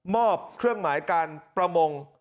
อบเครื่องหมายการประมง